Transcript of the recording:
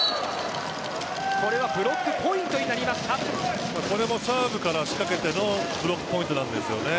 これはこれもサーブから仕掛けてのブロックポイントなんですよね。